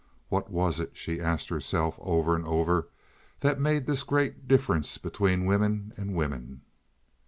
What was it, she asked herself over and over, that made this great difference between women and women?